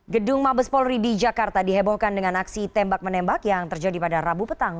gedung mabes polri di jakarta dihebohkan dengan aksi tembak menembak yang terjadi pada rabu petang